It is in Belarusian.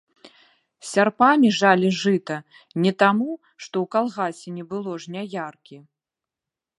Сярпамі жалі жыта не таму, што ў калгасе не было жняяркі.